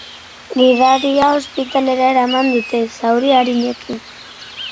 Gidaria ospitalera eraman dute, zauri arinekin.